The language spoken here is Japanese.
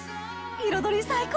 彩り最高！